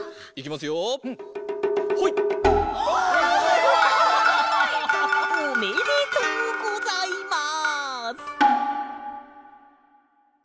すごい！おめでとうございます！